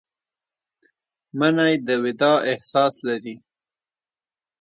منی د وداع احساس لري